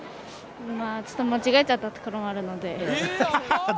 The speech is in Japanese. ちょっと間違えちゃったところもあるので。